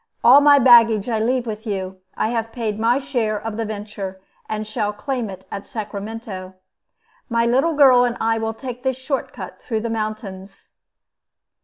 All my baggage I leave with you. I have paid my share of the venture, and shall claim it at Sacramento. My little girl and I will take this short cut through the mountains."